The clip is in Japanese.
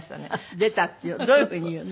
「出た」っていうのどういうふうに言うの？